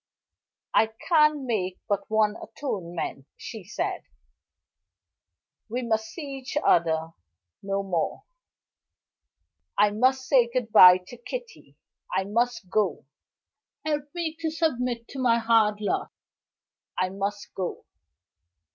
"I can make but one atonement," she said. "We must see each other no more. I must say good by to Kitty I must go. Help me to submit to my hard lot I must go."